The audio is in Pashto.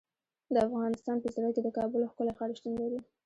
د افغانستان په زړه کې د کابل ښکلی ښار شتون لري.